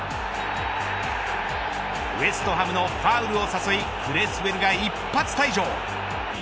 ウエストハムのファウルを誘いクレスウェルが一発退場。